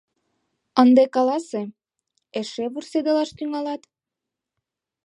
— Ынде каласе, эше вурседылаш тӱҥалат?